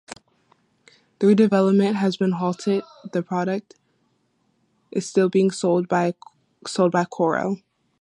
Though development has been halted, the product is still being sold by Corel.